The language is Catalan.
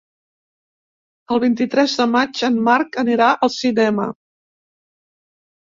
El vint-i-tres de maig en Marc anirà al cinema.